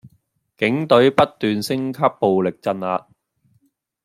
警隊不斷升級暴力鎮壓